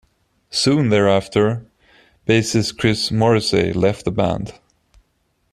Soon thereafter, bassist Chris Morrisey left the band.